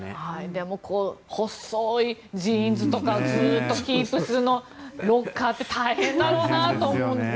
でも、細いジーンズとかずっとキープするのロッカーって大変だろうなと思うんです。